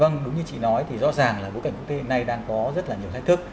vâng đúng như chị nói thì rõ ràng là bối cảnh quốc tế hiện nay đang có rất là nhiều thách thức